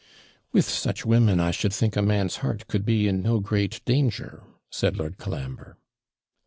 'With such women, I should think a man's heart could be in no great danger,' said Lord Colambre.